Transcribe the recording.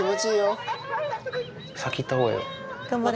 先行った方がいいよ。